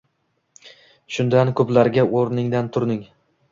Shundan, ko’plariga o’rningdan turding